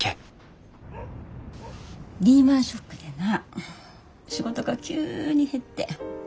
リーマンショックでな仕事が急に減って。